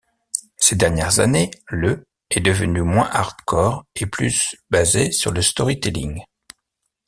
Ces dernières années, le est devenu moins hardcore et plus basé sur le storytelling.